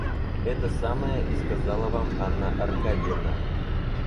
Это самое и сказала вам Анна Аркадьевна.